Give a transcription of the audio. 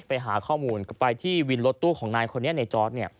ไปหาข้อมูลไปที่วินรถตู้ของนายคนนี้ในจอร์ด